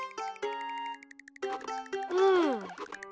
うん。